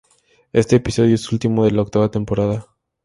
Éste episodio es último de la octava temporada.